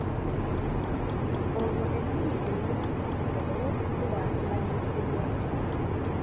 Olwo ennimi ennansi zisobole okukulaakulanyizibwa.